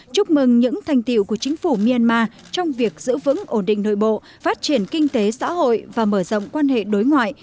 chúc mừng những thành tiệu của chính phủ myanmar trong việc giữ vững ổn định nội bộ phát triển kinh tế xã hội và mở rộng quan hệ đối ngoại